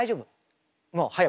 もう早い。